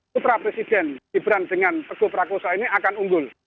suprapresiden gibran dengan peguh prakusa ini akan unggul